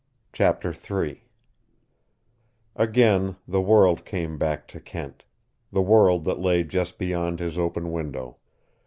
CHAPTER III Again the world came back to Kent, the world that lay just beyond his open window.